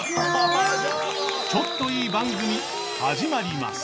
ちょっといい番組始まります